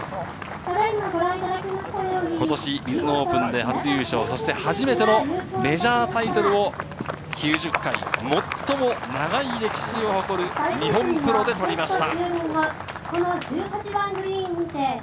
ことしミズノオープンで初優勝、そして初めてのメジャータイトルを９０回、最も長い歴史を誇る日本プロで取りました！